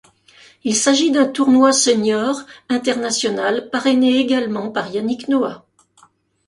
Il s'agit d'un tournoi senior international parrainé également par Yannick Noah.